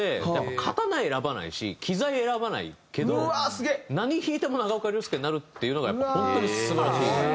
刀選ばないし機材選ばないけど何弾いても長岡亮介になるっていうのがやっぱ本当に素晴らしい。